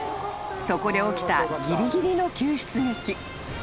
［そこで起きたぎりぎりの救出劇］